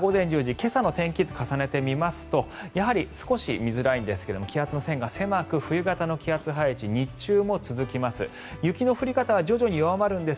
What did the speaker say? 今朝の天気図を重ねてみますとやはり少し見づらいんですが気圧の線が狭く冬型の気圧配置日中も続きます。